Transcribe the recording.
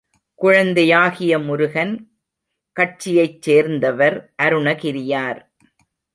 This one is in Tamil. குழந்தையாகிய முருகன் கட்சியைச் சேர்ந்தவர் அருணகிரியார்.